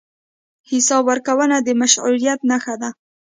حساب ورکونه د مشروعیت نښه ده.